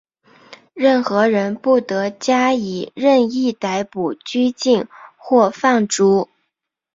任何人不得加以任意逮捕、拘禁或放逐。